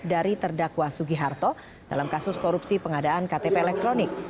dari terdakwa sugiharto dalam kasus korupsi pengadaan ktp elektronik